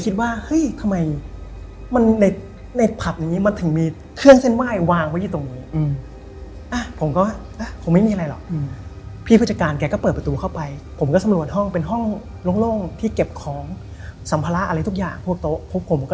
แต่ที่เอ๊ะมากที่สุดนะครับผม